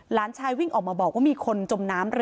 หลานชายวิ่งออกมาบอกว่ามีคนจมน้ำเรือ